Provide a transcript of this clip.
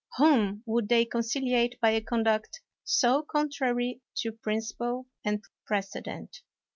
Whom would they conciliate by a conduct so contrary to principle and precedent